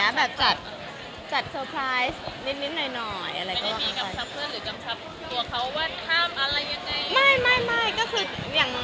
ไม่ได้มีกำชับเพื่อนหรือกำชับตัวเขาว่าห้ามอะไรยังไง